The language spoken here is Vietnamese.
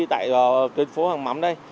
tại tuyến phố hàng mắm đây